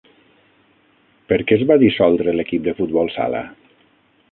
Per què es va dissoldre l'equip de futbol sala?